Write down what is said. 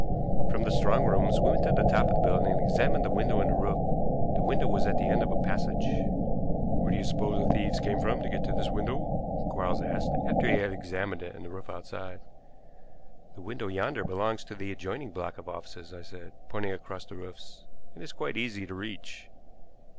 From the strong rooms we went to the top of the building and examined the window and the roof. The window was at the end of a passage. "Where do you suppose the thieves came from to get to this window?" Quarles asked, after he had examined it and the roof outside. "The window yonder belongs to the adjoining block of offices," I said, pointing across the roofs. "It is quite easy to reach."